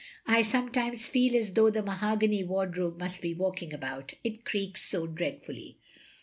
I sometimes feel as though the mahogany wardrobe must be walking about; it creaks so dreadfully."